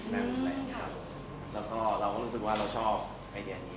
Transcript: แล้วเราก็เริ่มรู้สึกว่าเราชอบไอเดียนี้